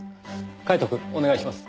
カイトくんお願いします。